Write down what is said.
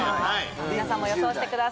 皆さんも予想してください。